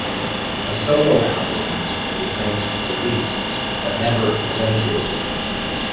A solo album was meant for release but never eventuated.